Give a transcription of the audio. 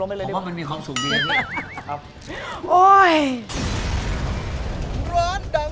ไม่ไหวแล้ว